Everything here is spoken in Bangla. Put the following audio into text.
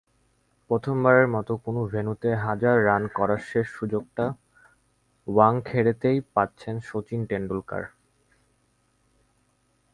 প্রথমবারের মতো কোনো ভেন্যুতে হাজার রান করার শেষ সুযোগটা ওয়াংখেড়েতেই পাচ্ছেন শচীন টেন্ডুলকার।